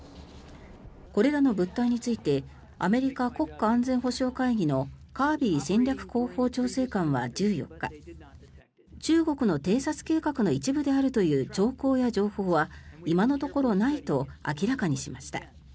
これらの物体についてアメリカ国家安全保障会議のカービー戦略広報調整官は１４日中国の偵察計画の一部であるという兆候や情報は今のところないと明らかにしました。